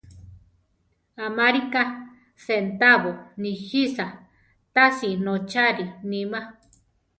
Amarika sentabo nijisa, tasi nótzari nima.